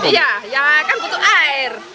iya ya kan butuh air